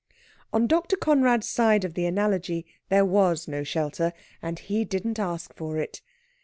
On Dr. Conrad's side of the analogy, there was no shelter, and he didn't ask for it.